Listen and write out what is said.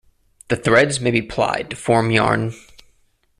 The threads may be plied to form yarn.